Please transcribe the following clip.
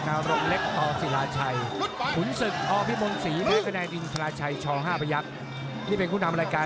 น้ำเงินรุ่นพี่แรงรุ่นน้องนะครับ